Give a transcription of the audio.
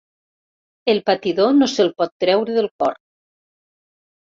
El patidor no se'l pot treure del cor.